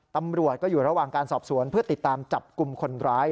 ตำรวจก็อยู่ระหว่างการสอบสวนเพื่อติดตามจับกลุ่มคนร้าย